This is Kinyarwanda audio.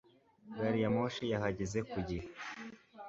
Gari ya moshi yahageze ku gihe